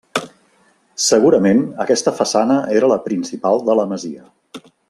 Segurament aquesta façana era la principal de la masia.